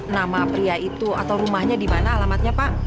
nama pria itu atau rumahnya dimana alamatnya pak